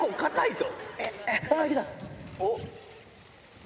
おっ！